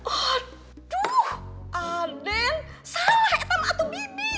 aduh aden salah etam atuh bibi